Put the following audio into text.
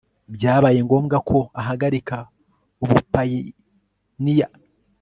byabaye ngombwa ko ahagarika ubupayiniya